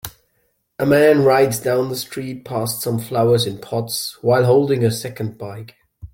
A man rides down the street past some flowers in pots, while holding a second bike.